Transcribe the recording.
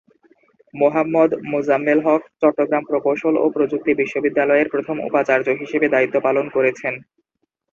মোহাম্মদ মোজাম্মেল হক চট্টগ্রাম প্রকৌশল ও প্রযুক্তি বিশ্ববিদ্যালয়ের প্রথম উপাচার্য হিসেবে দায়িত্ব পালন করেছেন।